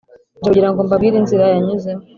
Nje kugira ngo mbabwire inzira yanyuzemo